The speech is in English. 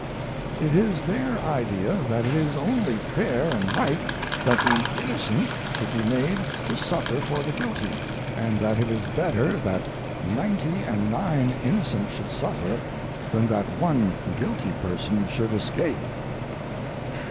It is their idea that it is only fair and right that the innocent should be made to suffer for the guilty, and that it is better that ninety and nine innocent should suffer than that one guilty person should escape."